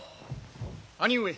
兄上。